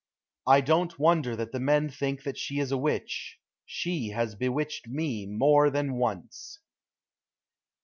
I don't wonder that the men think that she is a witch. She has bewitched me more than once.